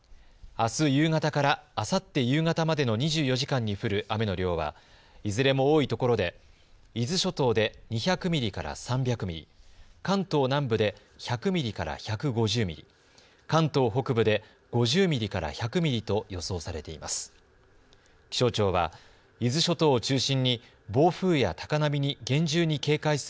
あす夕方からあさって夕方までの２４時間に降る雨の量はいずれも多いところで伊豆諸島で２００ミリから３００ミリ、関東南部で１００ミリから１５０ミリ、関東北部で５０ミリから１００ミリと予想されています。